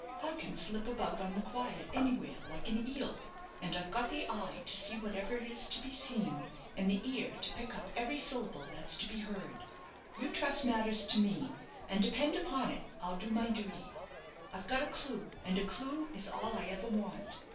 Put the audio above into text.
I can slip about on the quiet anywhere like an eel; and I've got the eye to see whatever is to be seen, and the ear to pick up every syllable that's to be heard. You trust matters to me, and depend upon it, I'll do my duty. I've got a clue, and a clue is all I ever want.